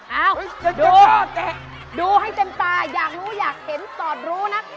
เอ้าดูให้เต็มตาอยากรู้อยากเห็นสอดรู้นะ